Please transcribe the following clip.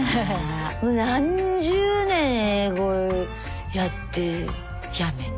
もう何十年英語やってやめて。